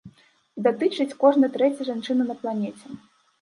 І датычыць кожнай трэцяй жанчыны на планеце.